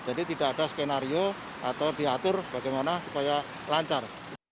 jadi tidak ada skenario atau diatur bagaimana supaya lancar